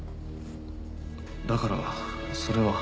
だからそれは。